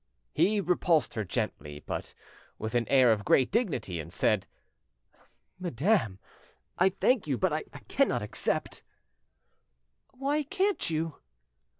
He repulsed her gently, but with an air of great dignity, and said— "Madame, I thank you, but I cannot accept." "Why can't you?"